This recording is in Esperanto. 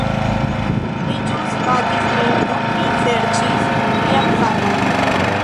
Li ĵus batis min dum mi serĉis lian sakon